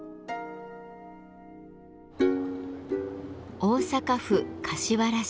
大阪府柏原市。